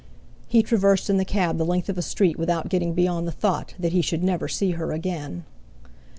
He traversed in the cab the length of a street without getting beyond the thought that he should never see her again!